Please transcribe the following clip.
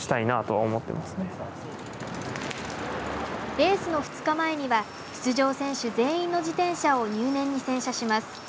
レースの２日前には出場選手全員の自転車を入念に洗車します。